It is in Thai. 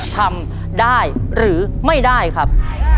ทำได้หรือไม่ได้ครับ